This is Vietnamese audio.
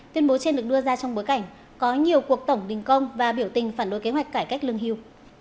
tuyên bố trên được đưa ra trong bối cảnh có nhiều cuộc tổng đình công và biểu tình phản đối kế hoạch cải cách lương hưu